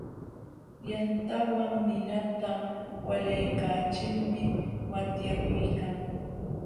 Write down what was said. Yantawan ninata walaykachilmi watyakuykan.